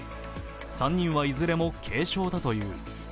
３人はいずれも軽傷だという。